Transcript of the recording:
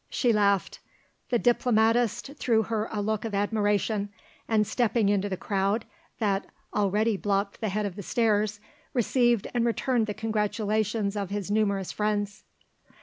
She laughed. The diplomatist threw her a look of admiration, and stepping into the crowd, that already blocked the head of the stairs, received and returned the congratulations of his numerous friends.